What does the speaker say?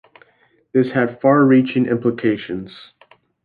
This had far-reaching implications.